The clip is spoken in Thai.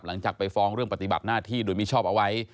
หลังจากไปฟ้องเรื่องปฏิบัติหน้าที่โดยมิชอบเอาไว้